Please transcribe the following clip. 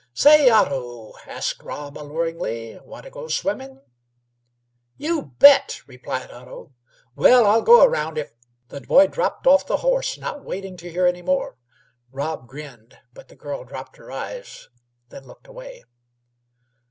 "Say, Otto," asked Rob, alluringly, "wan' to go swimmin'?" "You bet!" replied Otto. "Well, I'll go a round if " The boy dropped off the horse, not waiting to hear any more. Rob grinned, but the girl dropped her eyes, then looked away.